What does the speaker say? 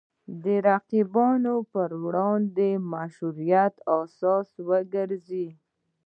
د رقیبو پر وړاندې مشروعیت اساس وګرځي